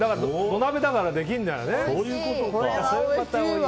土鍋だからできるんだろうね。